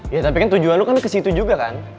ya tapi kan tujuan lu kan kesitu juga kan